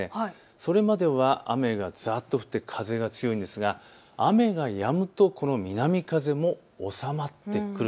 それまでは雨がざっと降って風が強いんですが雨がやむとこの南風も収まってくる。